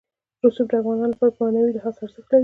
رسوب د افغانانو لپاره په معنوي لحاظ ارزښت لري.